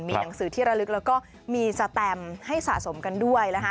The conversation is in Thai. มีหนังสือที่ระลึกแล้วก็มีสแตมให้สะสมกันด้วยนะคะ